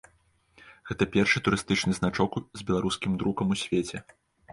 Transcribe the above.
Гэта першы турыстычны значок з беларускім друкам у свеце.